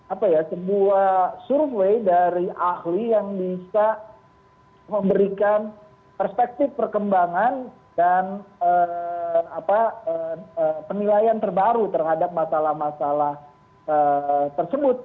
apa ya sebuah survei dari ahli yang bisa memberikan perspektif perkembangan dan penilaian terbaru terhadap masalah masalah tersebut